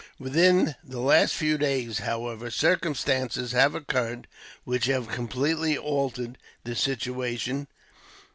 "Within the last few days, however, circumstances have occurred which have completely altered the situation.